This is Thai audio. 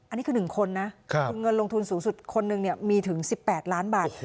อันนี้คือ๑คนนะคือเงินลงทุนสูงสุดคนหนึ่งมีถึง๑๘ล้านบาท